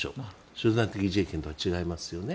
集団的自衛権とは違いますよね。